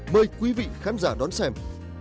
mời quý vị khán giả đón xem